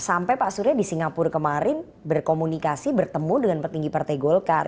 sampai pak surya di singapura kemarin berkomunikasi bertemu dengan petinggi partai golkar